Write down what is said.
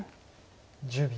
１０秒。